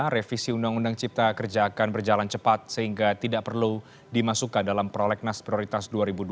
revisi undang undang cipta kerja akan berjalan cepat sehingga tidak perlu dimasukkan dalam prolegnas prioritas dua ribu dua puluh